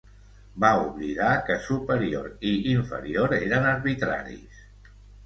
Va oblidar que "superior" i "inferior" eren arbitraris.